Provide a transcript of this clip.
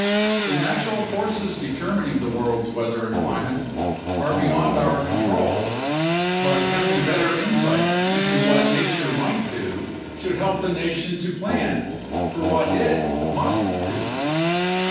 The natural forces determining the world's weather and climate are beyond our control, but having better insight into what nature might do should help the nation to plan for what it must do.